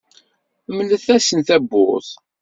Mlet-asen tawwurt.